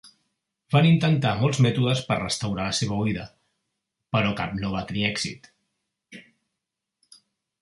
Van intentar molts mètodes per restaurar la seva oïda, però cap no va tenir èxit.